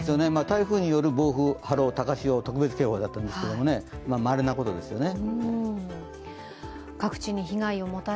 台風による暴風、波浪、高潮特別警報だったんですけどまれなことですよね。